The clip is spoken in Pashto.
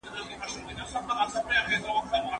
هرڅوک پدې خوشاليږي چي لور او خور ئې خوشاله ژوند ولري